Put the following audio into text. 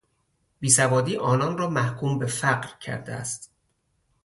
بیسوادی آنان را محکوم به فقر کرده است.